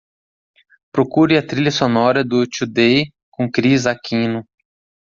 Procure a trilha sonora do Today com Kris Aquino